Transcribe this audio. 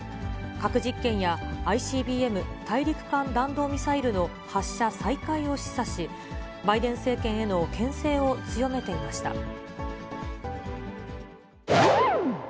核実験やＩＣＢＭ・大陸間弾道ミサイルの発射再開を示唆し、バイデン政権へのけん制を強めていました。